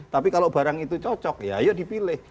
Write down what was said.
tapi kalau barang itu cocok ya ayo dipilih